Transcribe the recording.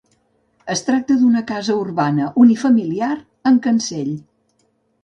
Es tracta d'una casa urbana unifamiliar amb cancell.